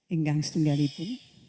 engkang setunggal ibu